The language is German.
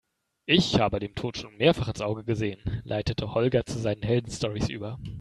Ich habe dem Tod schon mehrfach ins Auge gesehen, leitete Holger zu seinen Heldenstorys über.